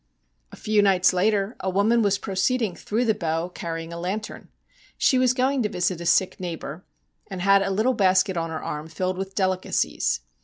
A few nights later a woman was proceeding through the Bow carrying a lantern. She was going to visit a sick neigh bour, and had a little basket on her arm filled with delicacies.